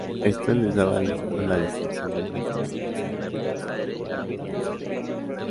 Esto les ha valido la distinción de ser considerados los mejores equipos del campeonato.